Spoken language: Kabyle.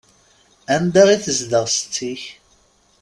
Anda i tezdeɣ setti-k?